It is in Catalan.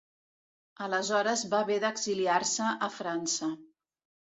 Aleshores va haver d'exiliar-se a França.